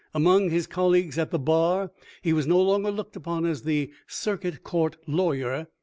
Among his colleagues at the bar he was no longer looked upon as the Circuit Court law yer of earlier days.